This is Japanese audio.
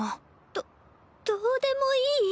どどうでもいい？